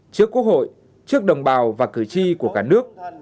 trước quốc hội trước đồng bào và cử tri của cả nước